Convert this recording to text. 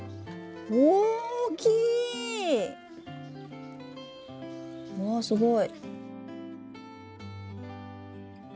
大きい！わすごい。